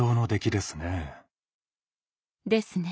ですね。